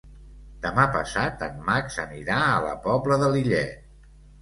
Demà passat en Max anirà a la Pobla de Lillet.